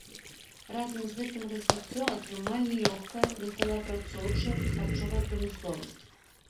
Разам з гэтым развіццё атрымалі лёгкая, металаапрацоўчая і харчовая прамысловасць.